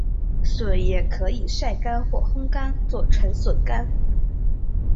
笋也可以晒干或烘干做成笋干。